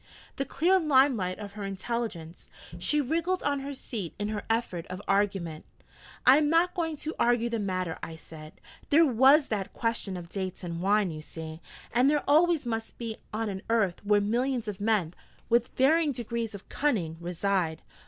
The clear limelight of her intelligence! She wriggled on her seat in her effort of argument. 'I am not going to argue the matter,' I said. 'There was that question of dates and wine, you see. And there always must be on an earth where millions of men, with varying degrees of cunning, reside.'